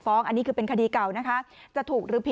สองสามีภรรยาคู่นี้มีอาชีพ